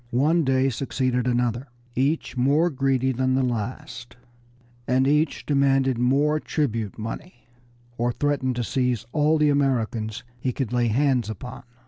One Dey succeeded another, each more greedy than the last, and each demanded more tribute money or threatened to seize all the Americans he could lay hands upon.